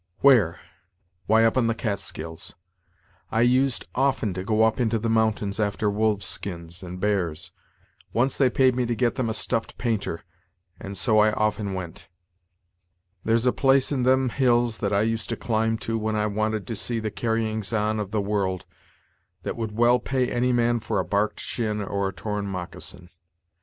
"Where! why, up on the Catskills. I used often to go up into the mountains after wolves' skins and bears; once they paid me to get them a stuffed painter, and so I often went. There's a place in them hills that I used to climb to when I wanted to see the carryings on of the world, that would well pay any man for a barked shin or a torn moccasin.